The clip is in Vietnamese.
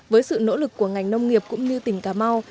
với sự nỗ lực của ngành nông nghiệp cũng như tỉnh cà mau